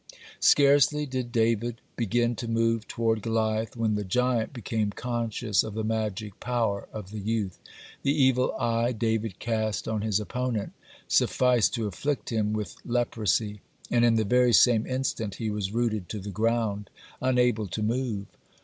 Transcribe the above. (38) Scarcely did David begin to move toward Goliath, when the giant became conscious of the magic power of the youth. The evil eye David cast on his opponent sufficed to afflict him with leprosy, (39) and in the very same instant he was rooted to the ground, unable to move.